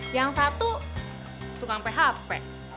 yang satu tukang php